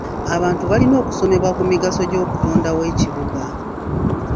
Abantu balina okusomesebwa ku migaso gy'okutondawo ekibuga.